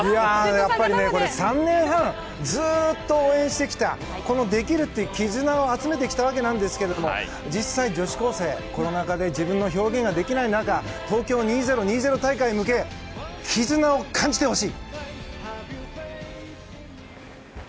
やっぱり、３年半ずっと応援してきたこのできるという絆を集めてきたわけなんですけれども女子高生、コロナ禍で自分の表現ができない中東京２０２０大会に向け絆を感じてほしい。